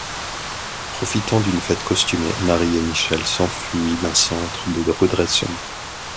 Profitant d'une fête costumée, Marie et Michelle s'enfuient d'un centre de redressement.